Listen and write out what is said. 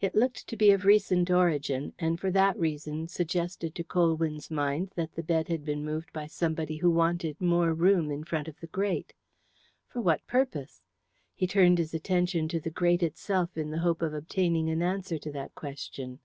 It looked to be of recent origin, and for that reason suggested to Colwyn's mind that the bed had been moved by somebody who wanted more room in front of the grate. For what purpose? He turned his attention to the grate itself in the hope of obtaining an answer to that question.